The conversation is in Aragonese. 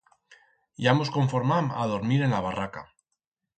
Ya mos conformam a dormir en la barraca.